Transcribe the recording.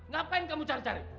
ngapain kamu cari cari